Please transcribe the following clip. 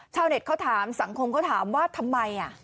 ชาวเน็ตเขาถามสังคมเขาถามว่าทำไม